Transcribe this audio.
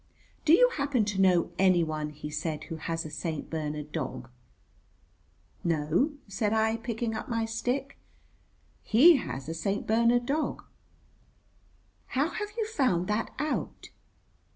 "Do you happen to know any one," he said, "who has a St. Bernard dog?" "No," said I, picking up my stick. "He has a St. Bernard dog." "How have you found that out?"